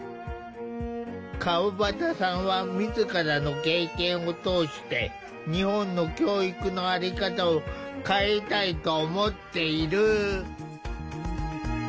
川端さんは自らの経験を通して日本の教育の在り方を変えたいと思っている。